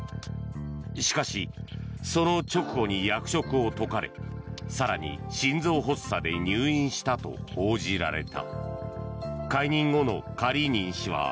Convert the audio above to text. しかし、その直後に役職を解かれ更に、心臓発作で入院したと報じられた。